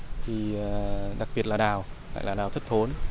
mình rất mê cây đặc biệt là đào lại là đào thất thốn